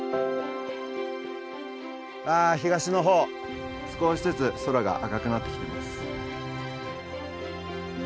わあ東の方少しずつ空が赤くなってきてます。